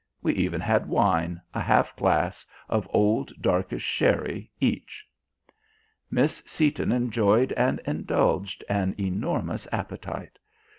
We even had wine, a half glass of old darkish sherry each. Miss Seaton enjoyed and indulged an enormous appetite.